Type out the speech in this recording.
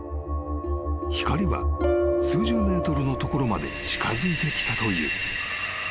［光は数十ｍのところまで近づいてきたという］